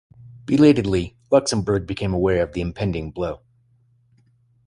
Belatedly, Luxembourg became aware of the impending blow.